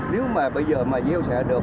nếu mà bây giờ mà gieo sẽ được